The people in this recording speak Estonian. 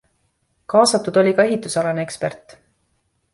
Kaasatud oli ka ehitusalane ekspert.